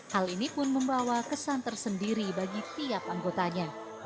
hal ini pun membawa kesan tersendiri bagi tiap anggotanya